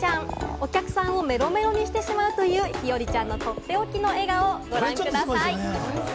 お客さんをメロメロにしてしまうという日和ちゃんのとっておきの笑顔、ご覧ください。